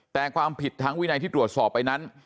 แต่ความผิดทางวินัยที่ตรวจสอบไปนั้น